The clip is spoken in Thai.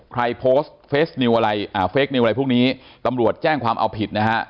โพสต์เฟสนิวอะไรอ่าเฟคนิวอะไรพวกนี้ตำรวจแจ้งความเอาผิดนะฮะ